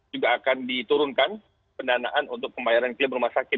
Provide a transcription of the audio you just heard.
juga akan diturunkan pendanaan untuk pembayaran klaim rumah sakit